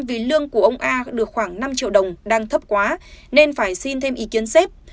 vì lương của ông a được khoảng năm triệu đồng đang thấp quá nên phải xin thêm ý kiến xếp